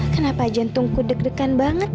kenapa jantungku deg degan banget